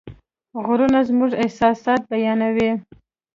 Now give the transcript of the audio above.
غږونه زموږ احساسات بیانوي.